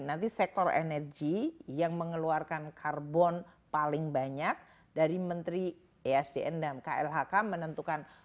nanti sektor energi yang mengeluarkan karbon paling banyak dari menteri esdm dan klhk menentukan